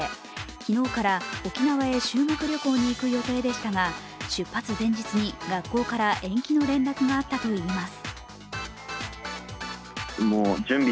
昨日から沖縄へ修学旅行に行く予定でしたが出発前日に学校から延期の連絡があったといいます。